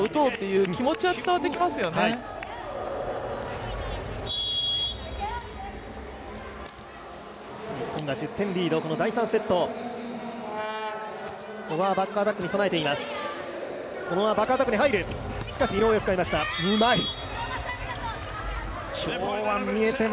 うまい！